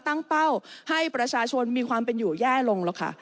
เป้าให้ประชาชนมีความเป็นอยู่แย่ลงหรอกค่ะ